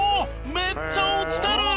めっちゃ落ちてる！